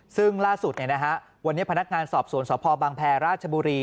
ซึ่งล่าสุดวันนี้พนักงานสอบสวนสพบังแพรราชบุรี